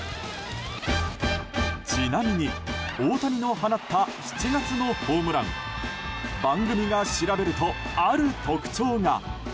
ちなみに大谷の放った７月のホームラン番組が調べると、ある特徴が。